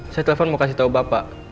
saya telepon mau kasih tahu bapak